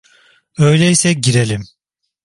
Öyleyse girelim.